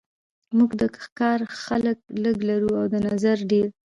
موږ د کار خلک لږ لرو او د نظر ډیر